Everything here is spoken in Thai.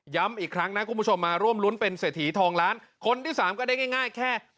อีกครั้งนะคุณผู้ชมมาร่วมรุ้นเป็นเศรษฐีทองล้านคนที่สามก็ได้ง่ายแค่